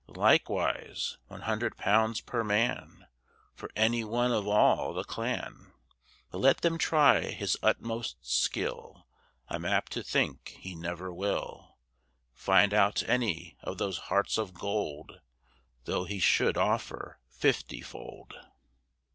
Likewise, one hundred pounds per man, For any one of all the clan. But let him try his utmost skill, I'm apt to think he never will Find out any of those hearts of gold, Though he should offer fifty fold.